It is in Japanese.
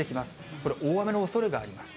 これ、大雨のおそれがあります。